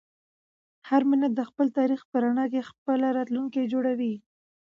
هر ملت د خپل تاریخ په رڼا کې خپل راتلونکی جوړوي.